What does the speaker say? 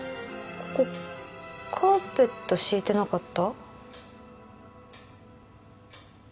ここカーペット敷いてなかった？